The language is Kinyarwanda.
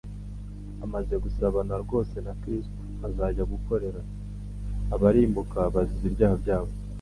Amaze gusabana rwose na Kristo azajya gukorera abarimbuka bazize ibyaha byabo.